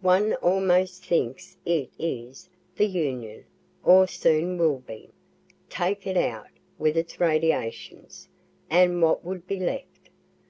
One almost thinks it is the Union or soon will be. Take it out, with its radiations, and what would be left?